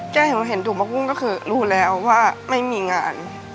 แกเห็นฐุงปากบุ้งก็คือรู้เร้วว่าไม่มีงาน